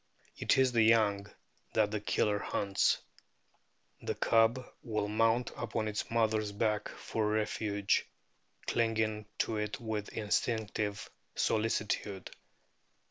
It is the young that the Killer hunts. "The cub will mount upon its mother's back for refuge, clinging to it with instinctive solici tude.